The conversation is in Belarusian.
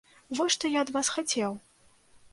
Вось што я ад вас хацеў!